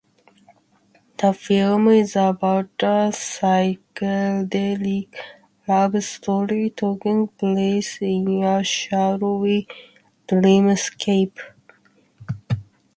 The film is about a psychedelic love story taking place in a "shadowy dreamscape".